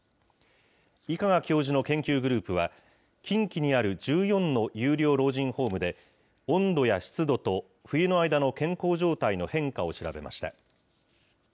伊香賀教授の研究グループは、近畿にある１４の有料老人ホームで、温度や湿度と冬の間の健康状態の変化を調べました。